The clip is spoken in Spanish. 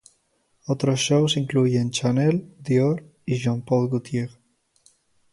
Otros shows incluyen Chanel, Dior y Jean-Paul Gaultier.